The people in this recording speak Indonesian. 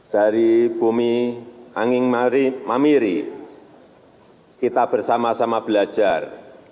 dari bumi angin mamiri kita bersama sama belajar